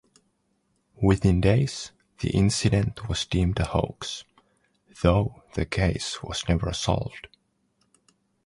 Within days, the incident was deemed a hoax, though the case was never solved.